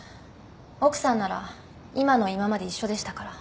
奥さんなら今の今まで一緒でしたから。